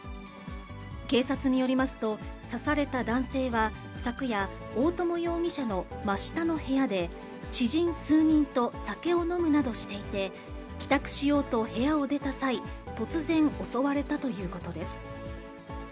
警察によりますと、刺された男性は昨夜、大友容疑者の真下の部屋で、知人数人と酒を飲むなどしていて、帰宅しようと部屋を出た際、突然襲われたということです。